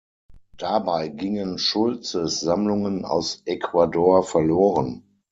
Dabei gingen Schultzes Sammlungen aus Ecuador verloren.